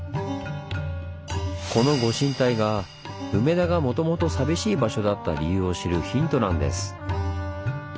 このご神体が梅田がもともと寂しい場所だった理由を知るヒントなんです。